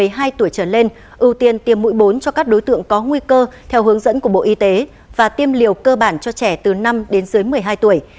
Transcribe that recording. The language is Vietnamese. bộ y tế tiếp tục đề nghị các địa phương đẩy mạnh triển khai tiêm vaccine phòng covid một mươi chín mũi bốn cho các đối tượng có nguy cơ theo hướng dẫn của bộ y tế và tiêm liều cơ bản cho trẻ từ năm đến dưới một mươi hai tuổi